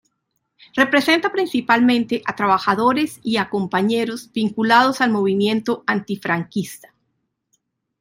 Representa principalmente a trabajadores y a compañeros vinculados al movimiento antifranquista.